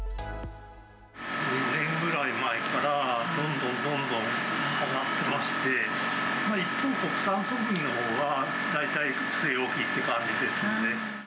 ２年前ぐらいからどんどんどんどん上がってまして、一方、国産小麦のほうは、大体据え置きっていう感じですので。